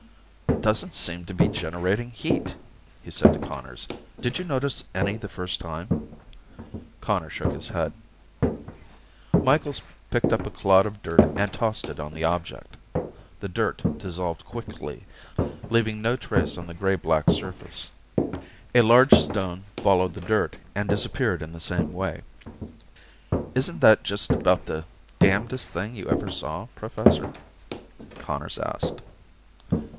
"Doesn't seem to be generating heat," he said to Conners. "Did you notice any the first time?" Conners shook his head. Micheals picked up a clod of dirt and tossed it on the object. The dirt dissolved quickly, leaving no trace on the gray black surface. A large stone followed the dirt, and disappeared in the same way. "Isn't that just about the damnedest thing you ever saw, Professor?" Conners asked.